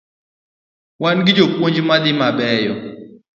Wan gi jopuonj madhi mabeyo